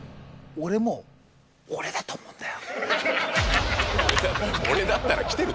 俺も俺だと思うんだよ。